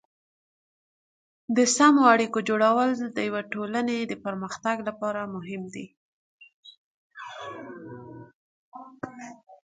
د سمو اړیکو جوړول د یوې ټولنې د پرمختګ لپاره مهم دي.